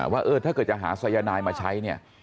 ว่าถ้าเกิดจะหาสยนายน์มาใช้